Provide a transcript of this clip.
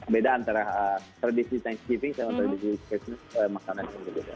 beda antara tradisi thanksgiving sama tradisi christmas makanan yang beda